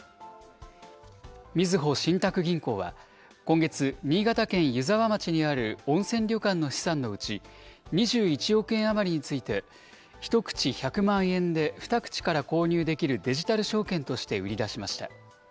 みずほ信託銀行は今月、新潟県湯沢町にある温泉旅館の資産のうち２１億円余りについて、１口１００万円で２口から購入できるデジタル証券として売り出しました。